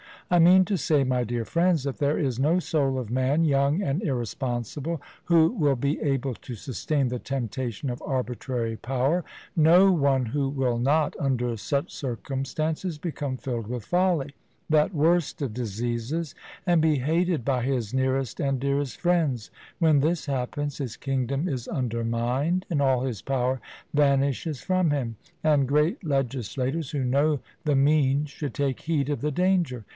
I mean to say, my dear friends, that there is no soul of man, young and irresponsible, who will be able to sustain the temptation of arbitrary power no one who will not, under such circumstances, become filled with folly, that worst of diseases, and be hated by his nearest and dearest friends: when this happens his kingdom is undermined, and all his power vanishes from him. And great legislators who know the mean should take heed of the danger.